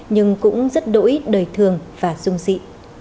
nhưng cũng rất đổi đời thường và dung dị